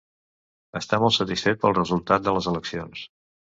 Està molt satisfet pel resultat de les eleccions.